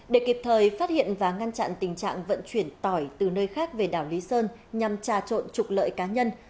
để kịp thời phát hiện và ngăn chặn tình trạng vận chuyển tỏi từ nơi khác về đảo lý sơn nhằm trà trộn trục lợi cá nhân